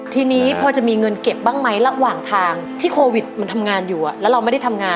สั่งได้สั่งแล้วมาจงไว้เห็นแนวเรา